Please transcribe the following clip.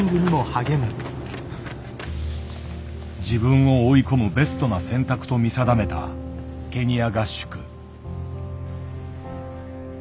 自分を追い込むベストな選択と見定めたケニア合宿。